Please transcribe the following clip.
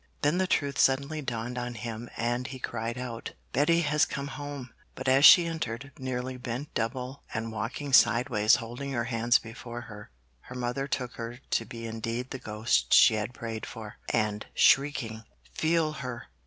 Then the truth suddenly dawned on him and he cried out, 'Betty has come home'; but as she entered, nearly bent double and walking sideways holding her hands before her, her mother took her to be indeed the ghost she had prayed for, and, shrieking 'Feel her!